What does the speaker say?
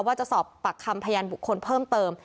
ว่าจะสอบปากคำพยานบุคคลเพิ่มเติม